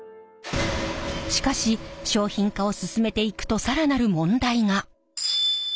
しかし商品化を進めていくと更なる問題が。